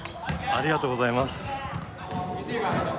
ありがとうございます。